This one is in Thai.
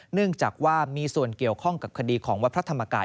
เนื่องจากว่ามีส่วนเกี่ยวข้องกับคดีของวัดพระธรรมกาย